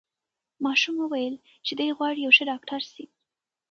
ماشوم وویل چې دی غواړي یو ښه ډاکټر سي.